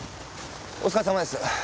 お疲れさまです。